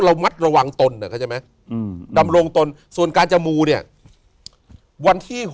ระมัดระวังตนเข้าใจไหมดำรงตนส่วนการจะมูเนี่ยวันที่๖